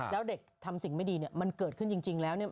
แล้วเด็กทำสิ่งไม่ดีมันเกิดขึ้นจริงแล้ว